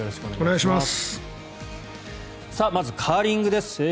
まず、カーリングです。